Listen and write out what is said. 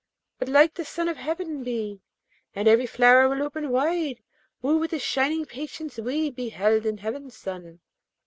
But like the sun of heaven be, And every flower will open wide. Woo with the shining patience we Beheld in heaven's sun.'